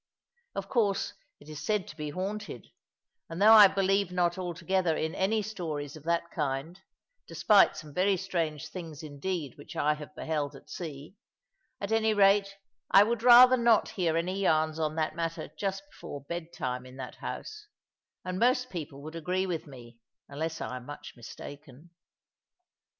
Of course, it is said to be haunted; and though I believe not altogether in any stories of that kind despite some very strange things indeed which I have beheld at sea at any rate, I would rather not hear any yarns on that matter just before bedtime in that house; and most people would agree with me, unless I am much mistaken.